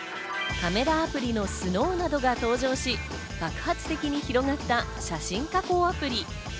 カメラアプリのＳＮＯＷなどが登場し、爆発的に広がった写真加工アプリ。